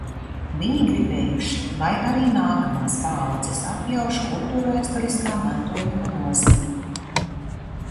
Viņi gribējuši, lai arī nākamās paaudzes apjauš kultūrvēsturiskā mantojuma nozīmi.